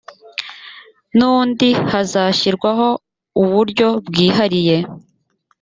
n undi hazashyirwaho uburyo bwihariye